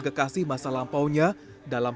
gekasi masa lampau nya dalam